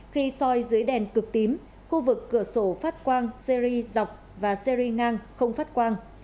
khi soi dưới đèn cực tím khu vực cửa sổ phát quang series dọc và series ngang không phát quang